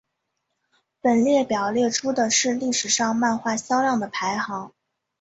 本列表列出的是历史上漫画销量的排行。